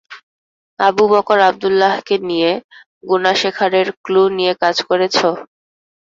Abu Bakr আব্দুল্লাহকে নিয়ে গুনাশেখারের ক্লু নিয়ে কাজ করেছ?